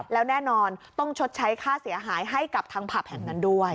แล้วแน่นอนต้องชดใช้ค่าเสียหายให้กับทางผับแห่งนั้นด้วย